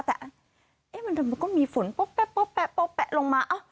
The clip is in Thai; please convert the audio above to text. แต่เอ๊ะมันก็มีฝนป๊บแป๊บป๊บแป๊บป๊บแป๊บลงมาเอ้า